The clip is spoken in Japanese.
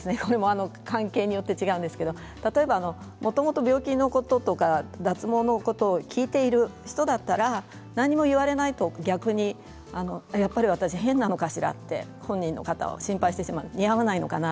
関係によって違うんですが例えば、もともと病気のこととか脱毛のことを聞いている人だったら何も言われないと逆にやっぱり私、変なのかな？と本人は心配してしまうんですね。